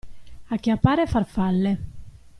Acchiappare farfalle.